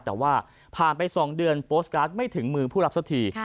แต่ว่าผ่านไป๒เดือนโปสตการ์ดไม่ถึงมือผู้รับสักที